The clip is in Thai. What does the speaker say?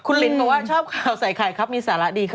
คุณลินบอกว่าชอบข่าวใส่ไข่ครับมีสาระดีขึ้น